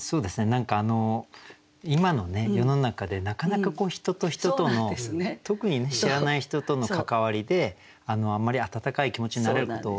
何かあの今の世の中でなかなか人と人との特に知らない人との関わりであまり温かい気持ちになれること